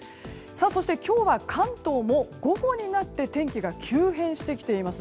そして今日は関東も午後になって天気が急変してきています。